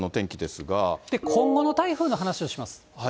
今後の台風の話をします。